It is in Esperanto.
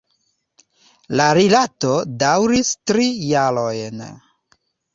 La rilato daŭris tri jarojn.